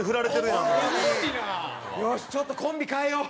よしちょっとコンビ変えよう。